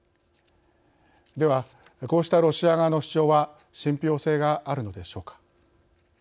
では、こうしたロシア側の主張は信ぴょう性があるのでしょうか。